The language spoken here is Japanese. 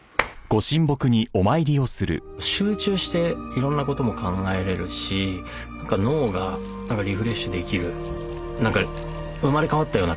集中していろんなことも考えれるし脳がリフレッシュできる何か生まれ変わったような感じ。